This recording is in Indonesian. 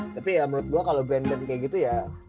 tapi ya menurut gue kalau brandon kayak gitu ya